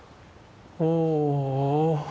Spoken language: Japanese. おお！